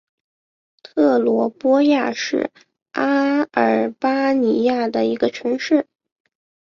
特罗波亚是阿尔巴尼亚的一个城市。